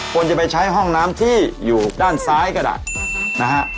ควรจะไปใช้ห้องน้ำที่อยู่ด้านซ้ายก็ได้นะฮะ